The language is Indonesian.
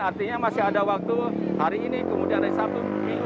artinya masih ada waktu hari ini kemudian hari sabtu